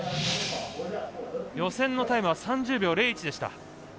予選のタイムは３０秒０１でした。